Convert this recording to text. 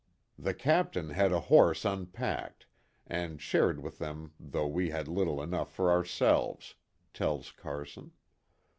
" The Captain had a horse unpacked, and shared with them though we had little enough for ourselves," tells Carson.